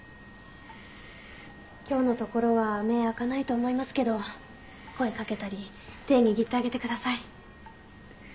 今日のところは目開かないと思いますけど声かけたり手握ってあげてください。